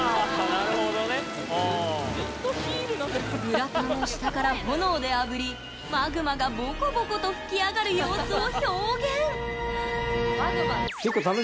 グラタンを下から炎であぶりマグマがぼこぼこと噴き上がる様子を表現。